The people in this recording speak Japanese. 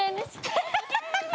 ハハハハハ！